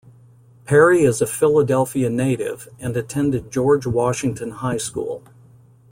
Perry is a Philadelphia native and attended George Washington High School.